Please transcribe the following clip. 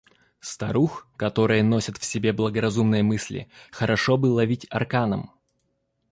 Старух, которые носят в себе благоразумные мысли, хорошо бы ловить арканом.